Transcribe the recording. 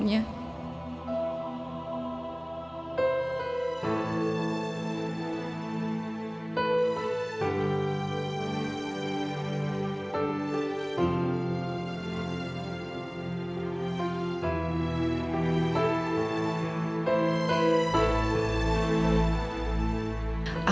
hanya waktu yang bisa menjawabnya